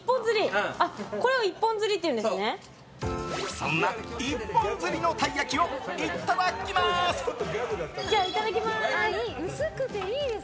そんな一本釣りのたい焼きをいただきます。